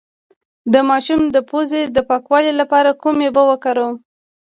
د ماشوم د پوزې د پاکوالي لپاره کومې اوبه وکاروم؟